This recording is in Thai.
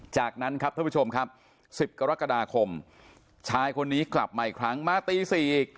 จากนั้นครับท่านผู้ชมครับ๑๐กรกฎาคมชายคนนี้กลับมาอีกครั้งมาตี๔อีก